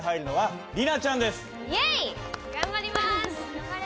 頑張れ！